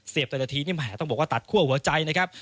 แต่ละทีนี่แหมต้องบอกว่าตัดคั่วหัวใจนะครับ